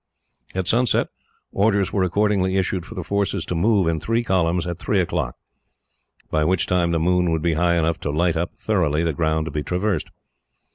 At sunset, orders were accordingly issued for the forces to move, in three columns, at three o'clock; by which time the moon would be high enough to light up, thoroughly, the ground to be traversed.